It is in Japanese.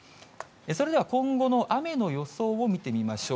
それでは今後の雨の予想を見てみましょう。